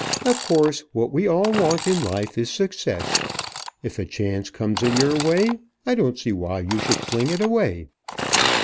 Of course what we all want in life is success. If a chance comes in your way I don't see why you should fling it away."